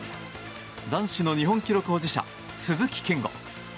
男子の日本記録保持者鈴木健吾。